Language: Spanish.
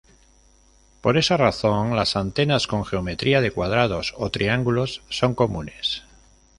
Por esa razón, las antenas con geometría de cuadrados o triángulos son comunes.